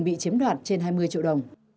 bị chiếm đoạt trên hai mươi triệu đồng